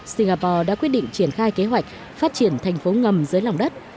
singapore đã quyết định triển khai kế hoạch phát triển thành phố ngầm dưới lòng đất